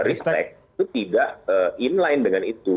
ristek itu tidak inline dengan itu